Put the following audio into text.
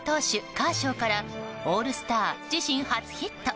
カーショーからオールスター自身初ヒット。